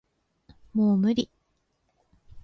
もう無理